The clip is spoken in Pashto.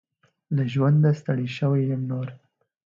له ژونده ستړي شوي يم نور .